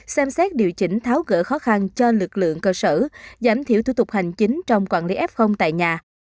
xem xét điều chỉnh tháo gỡ khó khăn cho lực lượng cơ sở giảm thiểu thủ tục hành chính trong quản lý f tại nhà